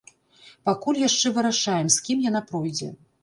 Пакуль яшчэ вырашаем, з кім яна пройдзе.